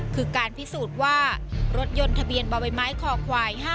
คือการพิสูจน์ว่ารถยนต์ทะเบียนบ่อใบไม้คอควาย๕๗